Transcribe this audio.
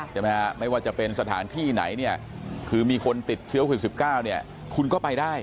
ใช่ไหมฮะไม่ว่าจะเป็นสถานที่ไหนเนี่ยคือมีคนติดเชื้อโควิด๑๙เนี่ยคุณก็ไปได้